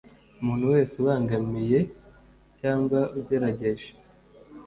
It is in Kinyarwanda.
umuntu wese ubangamiye cyangwa ugerageje